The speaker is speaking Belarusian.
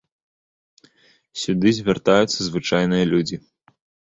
Сюды звяртаюцца звычайныя людзі.